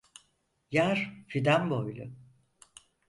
Yar fidan boylu.